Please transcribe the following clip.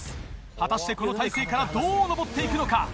果たしてこの体勢からどう登って行くのか？